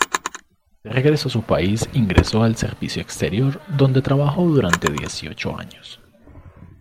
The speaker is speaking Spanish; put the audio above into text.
De regreso a su país ingresó al Servicio Exterior donde trabajó durante dieciocho años.